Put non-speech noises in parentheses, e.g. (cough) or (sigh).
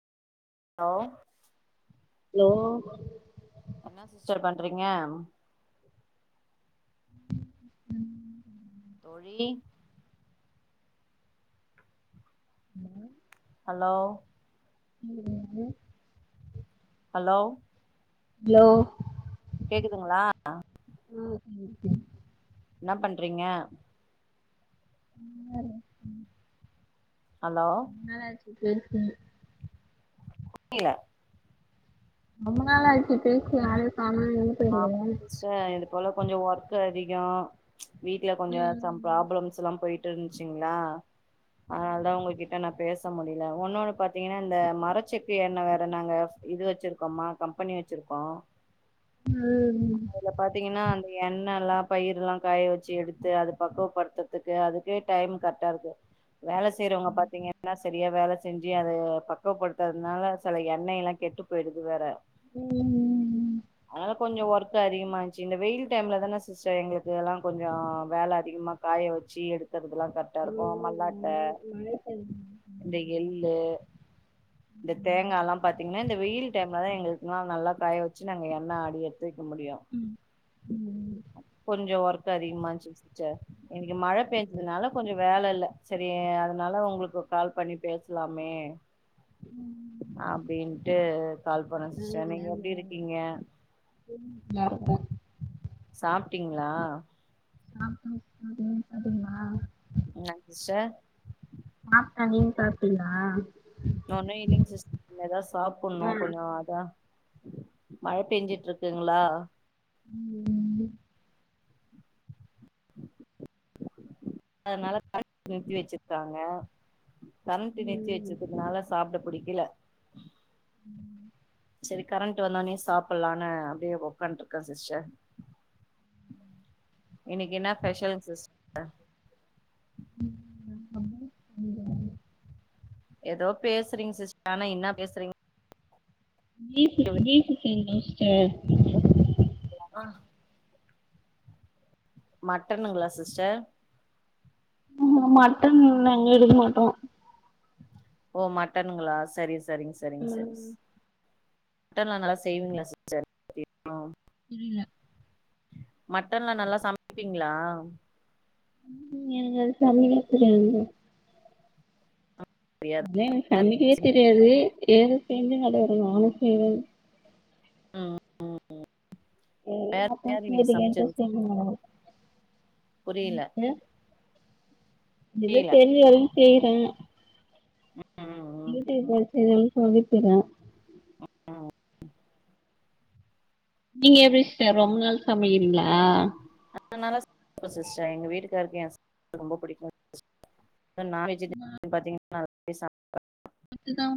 Hello லோ என்ன sister பண்றீங்க ம் தோழி ஹலோ ஹலோ உங்களுக்கு வந்து ஹலோவ் ஹலோ கேக்குதுங்களா (unintelligible) என்ன பண்றீங்க ம் மேல (inaudible) ஹலோ (unintelligible) (inaudible) ல ரொம்ப நாளா ஆயிடுச்சு பேசி (unintelligible) ஆ போயிருக்க சிஸ்டர் இது போல கொஞ்சோ ஒர்க் அதிகோ ச் வீட்ல கொஞ்சோ சம் ப்ராப்ளம்ஸ்லா போயிட்டு இருந்துச்சுங்ளா அதனால தா உங்ககிட்ட நா பேஸ் ச முடில ஒன்னொன்னு பாத்தீங்னா இந்த மரச்செக்கு எண்ண வேற நாங்க இது வச்சிருக்கோமா கம்பனி வச்சிருக் கோ ம் அதுல பாத்தீங்கனா அந்த எண்ணலா பயிருலா காய வச்சு எடுத்து அது பக்குவப்படுத்துறதுக்கே அதுக்கே டைம் கரக்டா இருக்கு வேல செய்றவுங்க பாத்திங்கன்னா சரியா வேலஸ் செஞ்சி அத பக்குவப்படுத்துறதுனால செல எண்ணெய் எல்லா கெட்டு போயிடுது வேற ம் ம் ம் அதனால கொஞ்சோ ஒர்க் அதிகமாச்சு இந்த வெயில் டைம்ல தான சிஸ்டர் எங்களுக்கு எல்லா கொஞ்சோ வேல அதிகமா காய வச்சு எடு க்கறிறதெலா கரெக்டா இருக்கு மல்லாட்ட மழை பெய்து இந்த எள்ளு இந்த தேங்காலா பாத்தீங்னா இந்த வெயில் டைம்லதா எங்களுக்குனா நல்லா காய வச்சு நாங்க எண்ண ஆடிடு க்க முடியு ம் ம் கொஞ்ச ஒர்க் அதிகமாச்சு சிஸ்டர் (unintelligible) இ மழை பெஞ்சதுனால கொஞ்ச வேல இல்ல சரி அதனால உங்களுக்கு கால் பண்ணி பேசலாமே அப்படின்ட்டு கால் பண்ண சிஸ்டர் நீங்க எப்டி இருக்கீங்க ந (unintelligible) சாப்டீங்ளா ஆப் ம் ம் (unintelligible) ங்ளா (unintelligible) சாப்டே நீங் சாப்டீங்ளா நா இன்னு இல்லீங் சிஸ் ஏதா சாப்ணு ஆ கொஞ்ச அதா மழை பெஞ்சுட்டு இருக்குங்ளா உ உ உ அதனால (inaudible) நிறுத்தி வச்ருக்காங்க கரண்டு நிறத்தி ம் வச்சுருக்குறதுனால சாப்ட புடிக்கல உம் சேரி கரண்டு வந்தோனேயே சாப்லான்னு அப்டியே உக்காந்து இருக்கே சிஸ்டர் இன்னிக்கி என்ன பெஷல் சிஸ்டர் (inaudible) ஏதோ பேசுறீங் சிஸ்ட ஆனா என்ன பேசுறீங் (unintelligible) சிஸ்டர் மட்டனுங்ளா சிஸ்டர் ம் மட்டன் நாங்க எடுக்க மாட்டோ ஓ மட்டன்ங்ளா சரி சரிங் சரிங் சரிங் ஸ் ம் ட்டன் லா நல்லா செய்வீங்ளா சிஸ்டர் (unintelligible) புரில மட்டன்லா நல்லா சமப்பீங்ளா ம் எங்கள் சமய (unintelligible) துங்க தெரியாது. இல்ல எனக் சமிக்கவே தெரியாது ஏதோ செஞ்சு (unintelligible) நானு செய்வேன்ங் ம் ம் ம் வேற எல்லாத்தையு யாரு இன்னக் கேட்டு கேட்டு சமச்சது செஞ்சு புரியல கடக்குறே ஏதோ புரியல தெரியலன் செய்றே ம் ம் யுடியூப் வச்சல்லருன் சவிக்கிரே ம் ம் நீங்க எப்டி சிஸ்டர் ரொம் நாள் சமகிறிங்ளா னால சிஸ்டர் எங்க வீட்டுக்காருக்கு என் ச ரொம்ப புடிக்கு இதே நா வெஜேரியன் பாத்தீங்ன்னா ந (inaudible) சாப் (inaudible) அதுதா